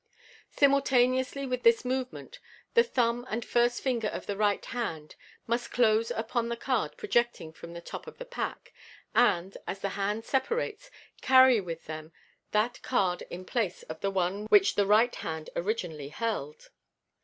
Simultaneously with this movement, the thumb and first finger of the right hand must close upon the card projecting from the top of the pack, and, as the hands separate, carry with them that card in place of the one which the right hand originally held.